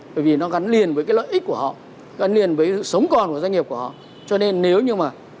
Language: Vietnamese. bởi vì nó gắn liền với cái lợi ích của họ gắn liền với sự sống còn của doanh nghiệp của họ cho nên nếu như mà